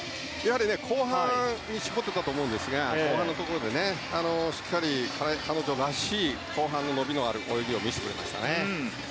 後半に絞っていたと思うんですが後半のところでしっかり彼女らしい後半の伸びのある泳ぎを見せてくれましたね。